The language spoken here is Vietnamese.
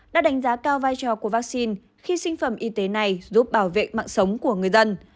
đã đánh giá cao vai trò của vaccine khi sinh phẩm y tế này giúp bảo vệ mạng sống của người dân